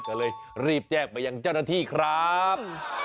ก็เลยรีบแจ้งไปยังเจ้าหน้าที่ครับ